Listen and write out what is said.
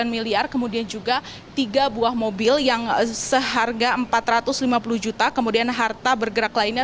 sembilan miliar kemudian juga tiga buah mobil yang seharga empat ratus lima puluh juta kemudian harta bergerak lainnya